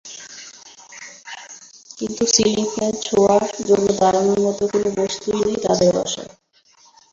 কিন্তু ceiling fan ছোঁয়ার জন্য দাঁড়ানোর মতো কোনো বস্তুই নেই তাঁদের বাসায়।